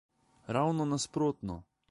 Ravno nasprotno.